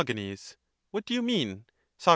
What do you mean? Soc.